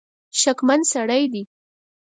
شکمن سړی دی.